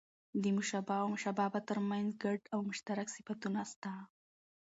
د مشبه او مشبه به؛ تر منځ ګډ او مشترک صفتونه سته.